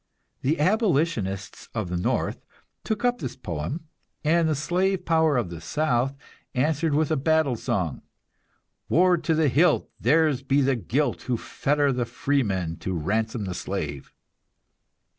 The abolitionists of the North took up this poem, and the slave power of the South answered with a battle song: War to the hilt, Theirs be the guilt, Who fetter the freeman to ransom the slave!